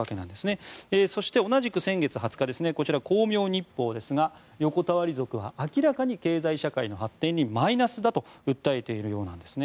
そして、同じく先月２０日こちら光明日報ですが横たわり族は明らかに経済社会の発展にマイナスだと訴えているようなんですね。